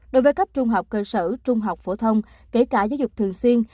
đối với cấp trung học cơ sở trung học phổ thông kể cả giáo dục thường xuyên